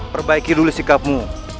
perbaiki dulu sikapmu